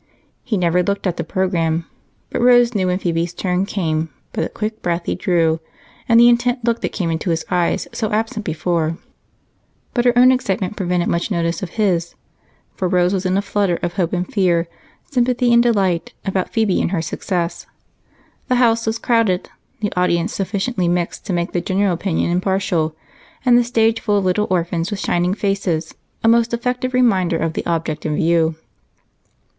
He never looked at the program, but Rose knew when Phebe's turn came by the quick breath he drew and the intent look, so absent before, that came into his eyes. But her own excitement prevented much notice of his, for Rose was in a flutter of hope and fear, sympathy and delight, about Phebe and her success. The house was crowded; the audience sufficiently mixed to make the general opinion impartial; and the stage full of little orphans with shining faces, a most effective reminder of the object in view.